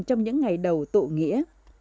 trong những ngày đầu tụ nghĩa